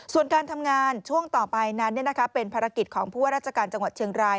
ส่วนการทำงานช่วงต่อไปนั้นเป็นภารกิจของผู้ว่าราชการจังหวัดเชียงราย